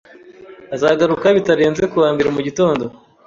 Azagaruka bitarenze kuwa mbere mugitondo